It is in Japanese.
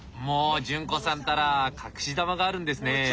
もう潤子さんたら隠し球があるんですね。